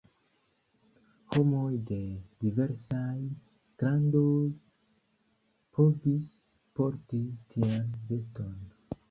Homoj de diversaj grandoj povis porti tian veston.